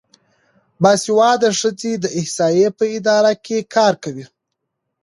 باسواده ښځې د احصایې په اداره کې کار کوي.